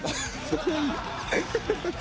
そこはいいよ。